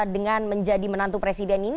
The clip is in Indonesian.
dengan menjadi menantu presiden ini